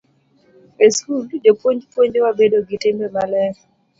E skul, jopuonj puonjowa bedo gi timbe maler.